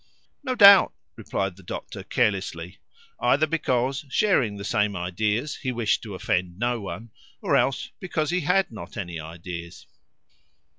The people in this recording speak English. "No doubt," replied the doctor carelessly, either because, sharing the same ideas, he wished to offend no one, or else because he had not any ideas.